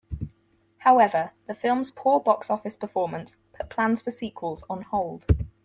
However, the film's poor box office performance put plans for sequels on hold.